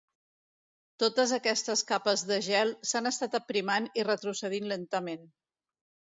Totes aquestes capes de gel s'han estat aprimant i retrocedint lentament.